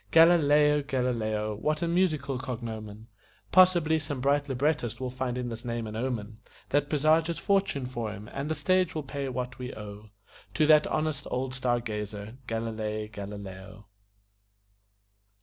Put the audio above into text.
Galilei Galileo! What a musical cognomen! Possibly some bright librettist will find in this name an omen That presages fortune for him, and the stage will pay what we owe To that honest old star gazer, Galilei Galileo.